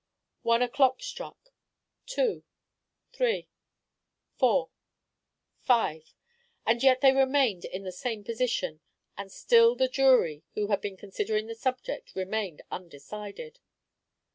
One o'clock struck two three four five and yet they remained in the same position; and still the jury who had been considering the subject remained undecided.